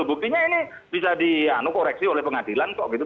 buktinya ini bisa dikoreksi oleh pengadilan kok gitu